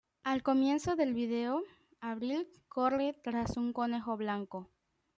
Al comienzo del video, Avril corre tras un conejo blanco.